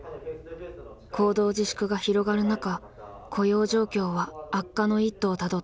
行動自粛が広がる中雇用状況は悪化の一途をたどっていた。